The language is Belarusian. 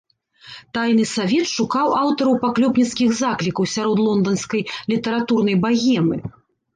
Тайны савет шукаў аўтараў паклёпніцкіх заклікаў сярод лонданскай літаратурнай багемы.